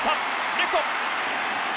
レフト！